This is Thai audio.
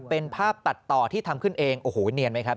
เป็นภาพตัดต่อที่ทำขึ้นเองโอ้โหเนียนไหมครับ